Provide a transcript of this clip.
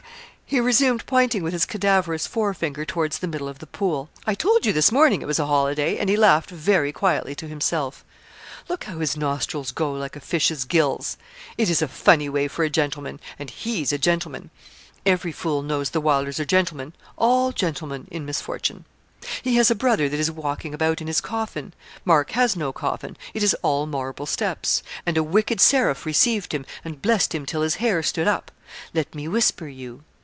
_' he resumed pointing with his cadaverous forefinger towards the middle of the pool. 'I told you this morning it was a holiday,' and he laughed very quietly to himself. 'Look how his nostrils go like a fish's gills. It is a funny way for a gentleman, and he's a gentleman. Every fool knows the Wylders are gentlemen all gentlemen in misfortune. He has a brother that is walking about in his coffin. Mark has no coffin; it is all marble steps; and a wicked seraph received him, and blessed him till his hair stood up. Let me whisper you.'